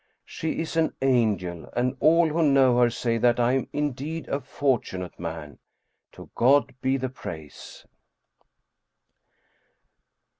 She is an angel, and all who know her say that I am indeed a fortunate man. To God be the praise